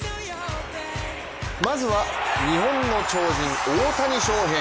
まずは日本の超人・大谷翔平。